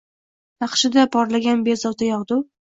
Naqshida porlagan bezovta yog’du!